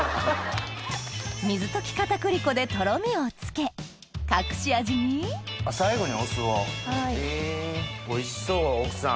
水溶き片栗粉でトロミをつけ隠し味に最後にお酢をへぇおいしそう奥さん。